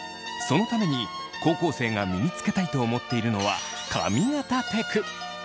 そのために高校生が身につけたいと思っているのは髪形テク！